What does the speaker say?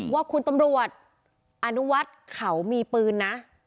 ว่าคุณตำรวจอนุวัฒน์เขามีปืนนะ